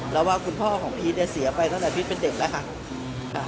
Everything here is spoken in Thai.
แล้วว่าคุณพ่อของพีชเนี่ยเสียไปตั้งแต่พีชเป็นเด็กแล้วค่ะ